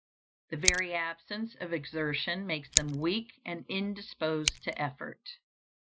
The very absence of exertion makes them weak and indisposed to effort.